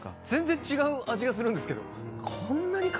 全然違う味がするんですけど。